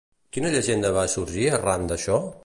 Quina llegenda va sorgir arran d'això?